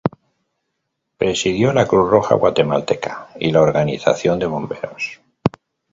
Presidió la Cruz Roja Guatemalteca y la Organización de Bomberos.